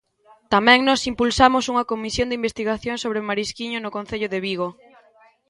Tamén nós impulsamos unha comisión de investigación sobre o Marisquiño no Concello de Vigo.